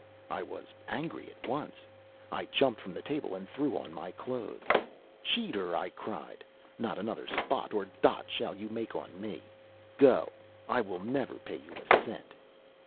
"I was angry at once. I jumped from the table and threw on my clothes. 'Cheater!' I cried. 'Not another spot or dot shall you make on me! Go! I will never pay you a cent!'